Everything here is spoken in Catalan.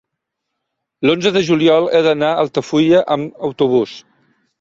l'onze de juliol he d'anar a Altafulla amb autobús.